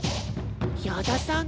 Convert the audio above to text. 矢田さん